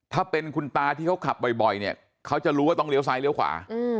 ถ้าเป็นคุณตาที่เขาขับบ่อยเนี่ยเขาจะรู้ว่าต้องเลี้ยซ้ายเลี้ยวขวา